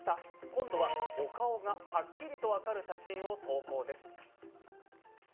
今度はお顔がはっきりと分かる写真を投稿です。